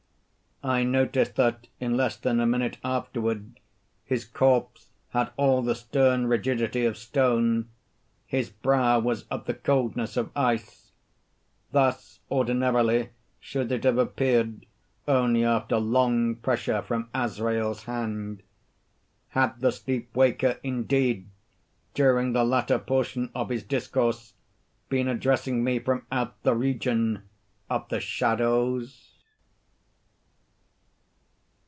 I noticed that in less than a minute afterward his corpse had all the stern rigidity of stone. His brow was of the coldness of ice. Thus, ordinarily, should it have appeared, only after long pressure from Azrael's hand. Had the sleep waker, indeed, during the latter portion of his discourse, been addressing me from out the region of the shadows?